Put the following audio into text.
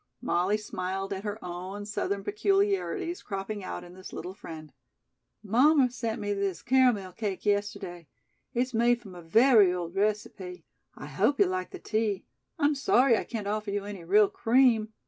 Molly smiled at her own Southern peculiarities cropping out in this little friend. "Mommer sent me this caramel cake yesterday. It's made from a very old recipe. I hope you'll like the tea. I'm sorry I can't offer you any real cream.